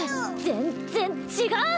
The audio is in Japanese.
全然違う！